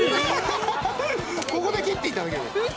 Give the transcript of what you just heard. ここで切っていただければ。